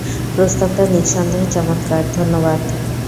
প্রস্তাবটা নিঃসন্দেহে চমৎকার, ধন্যবাদ!